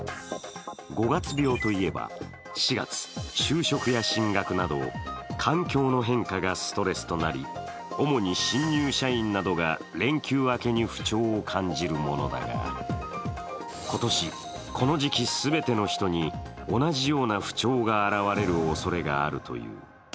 五月病といえば、４月、就職や進学など環境の変化がストレスとなり主に新入社員などが連休明けに不調を感じるものだが、今年、この時期全ての人に同じような不調が現れるおそれがあるという。